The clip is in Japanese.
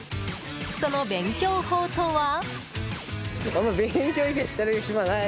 その勉強法とは？